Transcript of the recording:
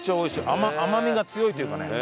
甘みが強いっていうかね。